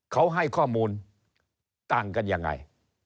เขาให้ข้อมูลต่างกันยังไง